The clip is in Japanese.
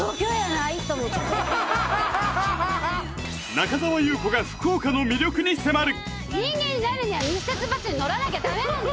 中澤裕子が福岡の魅力に迫る！